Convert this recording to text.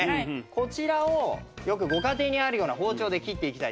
こちらをよくご家庭にあるような包丁で切っていきたいと思います。